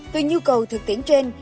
từ nhu cầu thực tiễn trọng